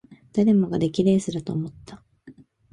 誰もが出来レースだと思った